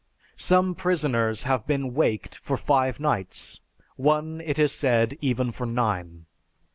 Some prisoners have been "waked" for five nights, one it is said, even for nine.